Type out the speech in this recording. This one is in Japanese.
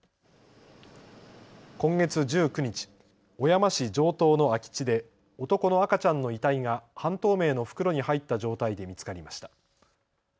今月１９日、小山市城東の空き地で男の赤ちゃんの遺体が半透明の袋に入った状態で見つかりました。